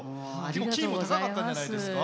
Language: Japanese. キーも高かったんじゃないですか。